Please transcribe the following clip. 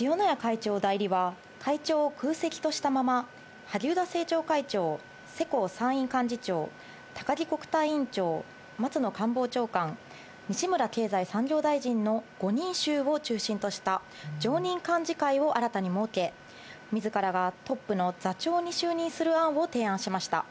塩谷会長代理は、会長を空席としたまま、萩生田政調会長、世耕参院幹事長、高木国対委員長、松野官房長官、西村経済産業大臣の５人衆を中心とした、常任幹事会を新たに設け、みずからがトップの座長に就任する案を提案しました。